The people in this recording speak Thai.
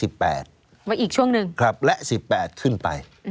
อีกช่วงหนึ่งครับและ๑๘ขึ้นไป